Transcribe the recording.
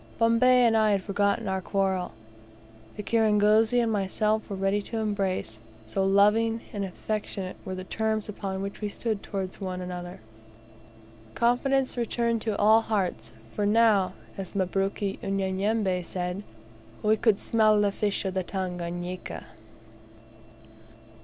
Bombay and I had forgotten our quarrel; the kirangozi and myself were ready to embrace, so loving and affectionate were the terms upon which we stood towards one another. Confidence returned to all hearts for now, as Mabruk Unyanyembe said, "we could smell the fish of the Tanganika."